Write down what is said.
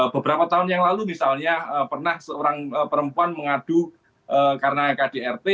beberapa tahun yang lalu misalnya pernah seorang perempuan mengadu karena kdrt